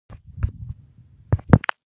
را د متکلم لومړی شخص لوری ښيي.